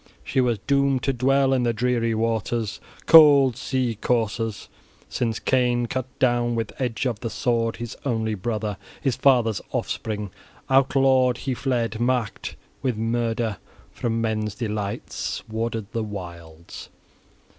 She was doomed to dwell in the dreary waters, cold sea courses, since Cain cut down with edge of the sword his only brother, his father's offspring: outlawed he fled, marked with murder, from men's delights warded the wilds.